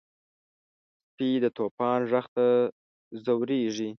سپي د طوفان غږ ته ځورېږي.